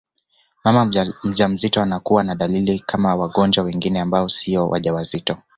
Mama mjamzito anakuwa na dalili kama wagonjwa wengine ambao siyo wajawazito